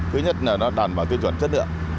thứ nhất là nó đảm bảo tiêu chuẩn chất lượng